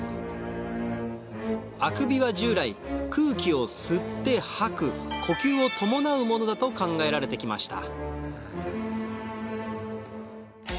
あくびは従来空気を吸って吐く呼吸を伴うものだと考えられて来ました